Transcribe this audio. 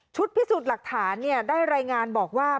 พิสูจน์หลักฐานได้รายงานบอกว่า